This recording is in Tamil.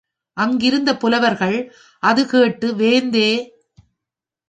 ஆங்கிருந்த புலவர்கள் அது கேட்டு, வேந்தே!